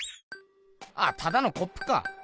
ただのコップか。